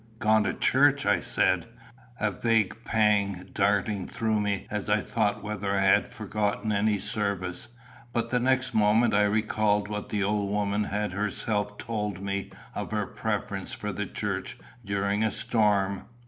"Gone to church!" I said, a vague pang darting through me as I thought whether I had forgotten any service; but the next moment I recalled what the old woman had herself told me of her preference for the church during a storm.